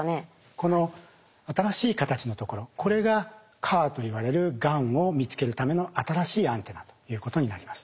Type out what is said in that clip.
この新しい形のところこれが「ＣＡＲ」といわれるがんを見つけるための新しいアンテナということになります。